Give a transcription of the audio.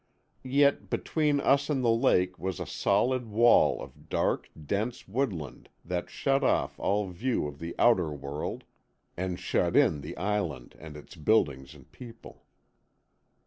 Yet between us and the lake was a solid wall of dark, dense woodland that shut off all view of the outer world and shut in the Island and its buildings and people.